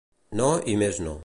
No i més no.